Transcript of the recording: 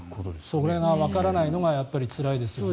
それがわからないのがつらいですよね。